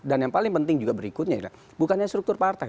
dan yang paling penting juga berikutnya bukannya struktur partai